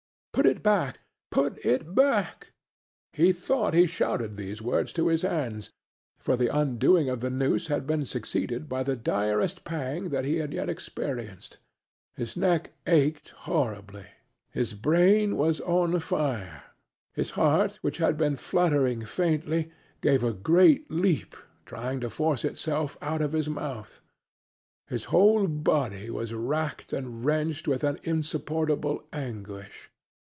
"Put it back, put it back!" He thought he shouted these words to his hands, for the undoing of the noose had been succeeded by the direst pang that he had yet experienced. His neck ached horribly; his brain was on fire; his heart, which had been fluttering faintly, gave a great leap, trying to force itself out at his mouth. His whole body was racked and wrenched with an insupportable anguish!